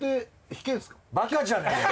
バカじゃねえの？